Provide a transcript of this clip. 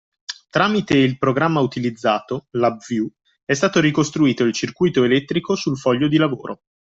Tramite il programma utilizzato (LabVIEW) è stato ricostruito il circuito elettrico sul foglio di lavoro